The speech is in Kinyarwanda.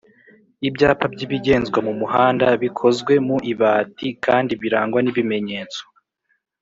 Ibyapa by'ibigenzwa mu muhanda bikozwe mu ibati kandi birangwa n'ibimenyetso